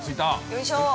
◆よいしょー。